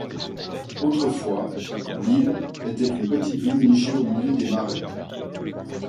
Autrefois, Lille était une petite ville nichée au milieu des marais.